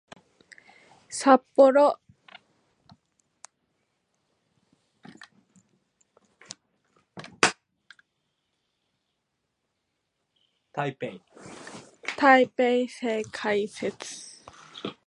札幌・台北線開設